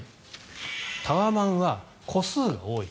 タワマンは戸数が多い。